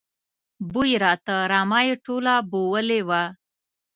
بوی راته، رمه یې ټوله بېولې وه.